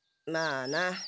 まあな。